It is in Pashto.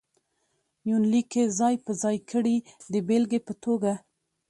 يونليک کې ځاى په ځاى کړي د بېلګې په توګه: